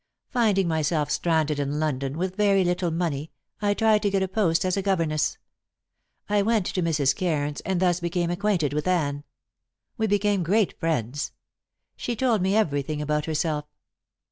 Finding myself stranded in London with very little money, I tried to get a post as a governess. I went to Mrs. Cairns, and thus became acquainted with Anne. We became great friends. She told me everything about herself.